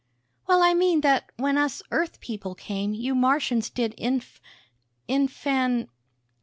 "Well, I mean, that when us Earth people came, you Martians did inf ... infan